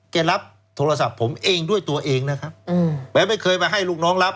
แกรับโทรศัพท์ผมเองด้วยตัวเองนะครับแม้ไม่เคยมาให้ลูกน้องรับ